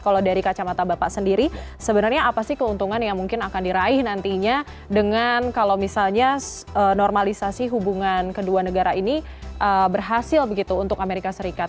kalau dari kacamata bapak sendiri sebenarnya apa sih keuntungan yang mungkin akan diraih nantinya dengan kalau misalnya normalisasi hubungan kedua negara ini berhasil begitu untuk amerika serikat